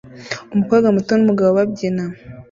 Umukobwa muto numugabo babyina